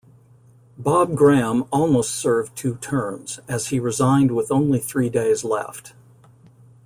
Bob Graham almost served two terms, as he resigned with only three days left.